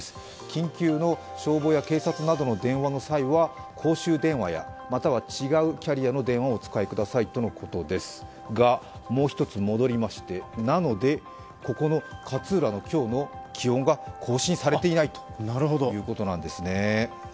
緊急の消防や警察などへの電話の際は公衆電話やまた違うキャリアの電話をお使いくださいとのことですが、もう１つ、戻りまして、なので、ここの勝浦の今日の気温が更新されていないということなんですね。